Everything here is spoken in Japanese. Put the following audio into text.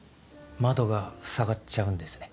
窓が塞がっちゃうんですね。